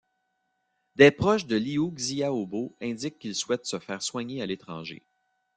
Des proches de Liu Xiaobo indiquent qu'il souhaite se faire soigner à l'étranger.